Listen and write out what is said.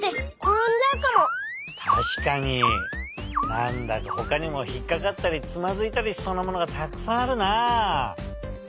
なんだかほかにもひっかかったりつまずいたりしそうなものがたくさんあるなあ。